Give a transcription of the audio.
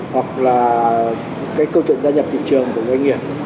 hoặc là cái câu chuyện gia nhập thị trường của doanh nghiệp